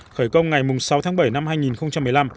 khởi công ngày sáu tháng bảy năm hai nghìn một mươi năm